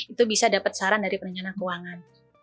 itu bisa dapat saran dari perencana keuangan